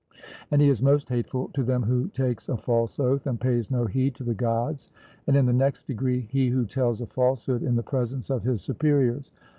And he is most hateful to them who takes a false oath, and pays no heed to the Gods; and in the next degree, he who tells a falsehood in the presence of his superiors.